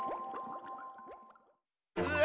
うわ！